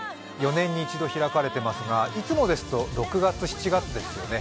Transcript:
４年に一度開かれていますが、いつもですと、６月、７月ですよね。